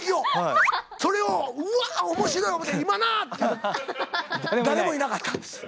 それを「うわっ！面白い」思て「今な！」って言うて誰もいなかったんですよ。